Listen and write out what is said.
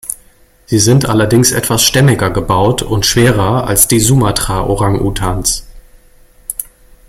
Sie sind allerdings etwas stämmiger gebaut und schwerer als die Sumatra-Orang-Utans.